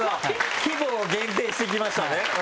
規模を限定してきましたね。